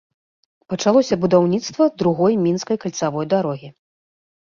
Пачалося будаўніцтва другой мінскай кальцавой дарогі.